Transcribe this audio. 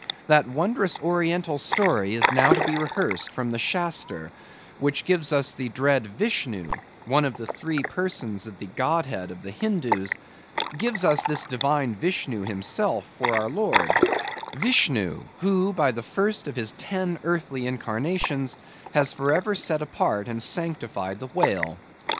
That wondrous oriental story is now to be rehearsed from the Shaster, which gives us the dread Vishnoo, one of the three persons in the godhead of the Hindoos; gives us this divine Vishnoo himself for our Lord;—Vishnoo, who, by the first of his ten earthly incarnations, has for ever set apart and sanctified the whale.